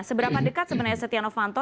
seberapa dekat sebenarnya setia no panto